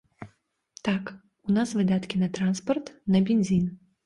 Так, у нас выдаткі на транспарт, на бензін.